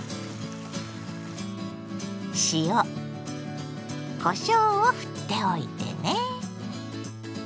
塩こしょうをふっておいてね。